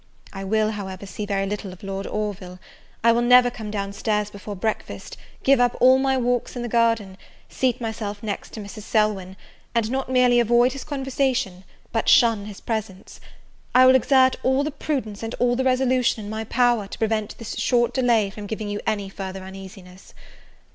I will, however, see very little of Lord Orville; I will never come down stairs before breakfast; give up all my walks in the garden; seat myself next to Mrs. Selwyn; and not merely avoid his conversation, but shun his presence. I will exert all the prudence and all the resolution in my power, to prevent this short delay from giving you any further uneasiness.